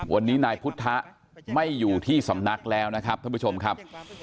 วันนี้นายพุทธไม่อยู่ที่สำนักแล้วนะครับท่านผู้ชมครับ